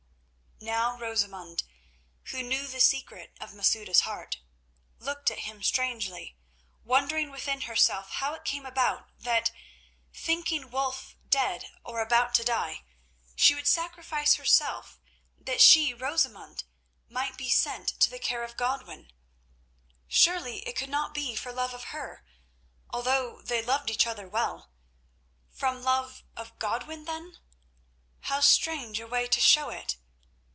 Now Rosamund, who knew the secret of Masouda's heart, looked at him strangely, wondering within herself how it came about that, thinking Wulf dead or about to die, she should sacrifice herself that she, Rosamund, might be sent to the care of Godwin. Surely it could not be for love of her, although they loved each other well. From love of Godwin then? How strange a way to show it!